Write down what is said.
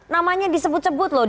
namanya disebut sebut loh